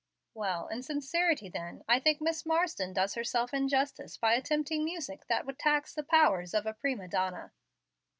"Well, in sincerity then, I think Miss Marsden does herself injustice by attempting music that would tax the powers of a prima donna."